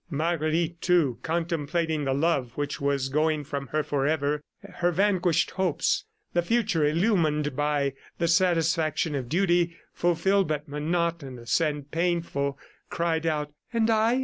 ... Marguerite, too contemplating the love which was going from her forever, her vanished hopes, the future illumined by the satisfaction of duty fulfilled but monotonous and painful cried out: "And I.